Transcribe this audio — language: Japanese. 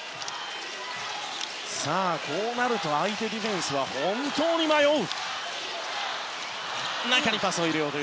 こうなると相手ディフェンスは本当に迷う。